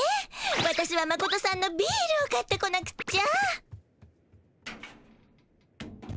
私はマコトさんのビールを買ってこなくっちゃ。